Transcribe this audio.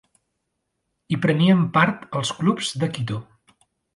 Hi prenien part els clubs de Quito.